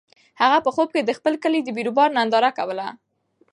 هغه په خوب کې د خپل کلي د بیروبار ننداره کوله.